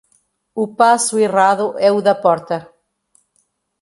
O passo errado é o da porta.